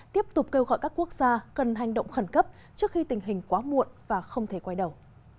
tiếp tục kêu gọi các quốc gia cần hành động khẩn cấp trước khi tình hình quá muộn và không thể quay đầu